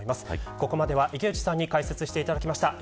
ここまでは池内さんに解説していただきました。